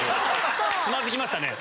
つまずきましたね。